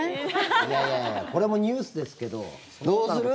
いやいやこれもニュースですけど。